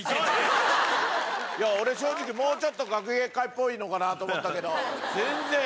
俺正直もうちょっと学芸会っぽいのかなと思ったけど全然。